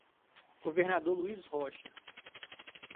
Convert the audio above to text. Governador Luiz Rocha